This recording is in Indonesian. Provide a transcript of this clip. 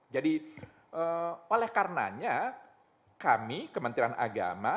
jadi oleh karenanya kami kementerian agama